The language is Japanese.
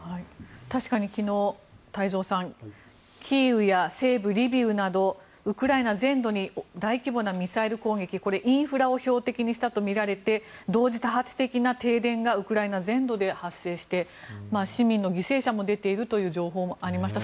確かに昨日、太蔵さんキーウや西部リビウなどウクライナ全土に大規模なミサイル攻撃これ、インフラを標的にしたとみられて同時多発的な停電がウクライナ全土で発生して市民の犠牲者も出ているという情報もありました。